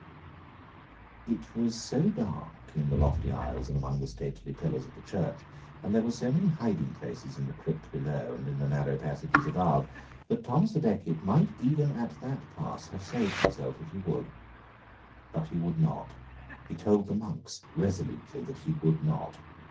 It was so dark, in the lofty aisles and among the stately pillars of the church, and there were so many hiding places in the crypt below and in the narrow passages above, that Thomas à Becket might even at that pass have saved himself if he would. But he would not. He told the monks resolutely that he would not.